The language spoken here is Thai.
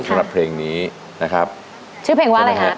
ของเท่าหน้าเพลงนี้นะครับชื่อเพลงว่าอะไรครับ